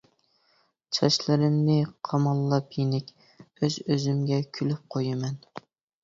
چاچلىرىمنى قاماللاپ يېنىك ئۆز-ئۆزۈمگە كۈلۈپ قويىمەن.